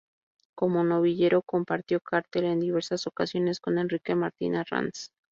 Como novillero compartió cartel en diversas ocasiones con Enrique Martín Arranz.